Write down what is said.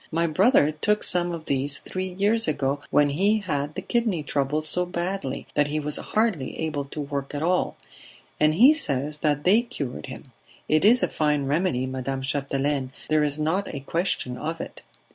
"My brother took some of these three years ago when he had the kidney trouble so badly that he was hardly able to work at all, and he says that they cured him. It is a fine remedy, Madame Chapdelaine, there is not a question of it!"